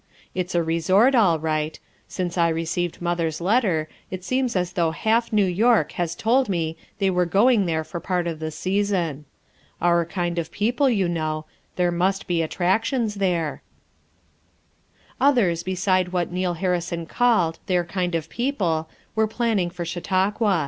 It's a resort, all right; since I received mother's letter it seems as though half New York had told me they were going there for part of the season. Our kind of people, you know; there must be attractions there,' ' Others beside what Neal Harrison called FOUR MOTHERS AT CHAUTAUQUA 35 ''their kind of people' ' were planning for Chautauqua.